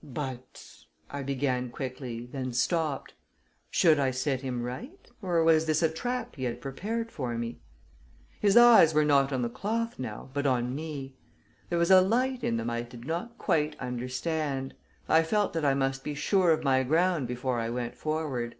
"But," I began, quickly, then stopped; should I set him right? Or was this a trap he had prepared for me? His eyes were not on the cloth now, but on me. There was a light in them I did not quite understand. I felt that I must be sure of my ground before I went forward.